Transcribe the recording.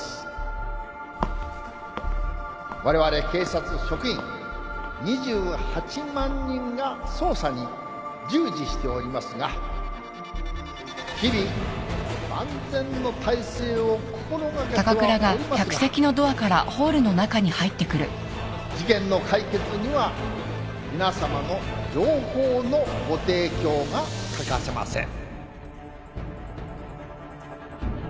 われわれ警察職員２８万人が捜査に従事しておりますが日々万全の態勢を心掛けてはおりますが事件の解決には皆さまの情報のご提供が欠かせません。